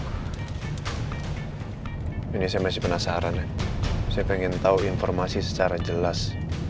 ini saya masih penasaran ya saya pengen tahu informasi secara jelas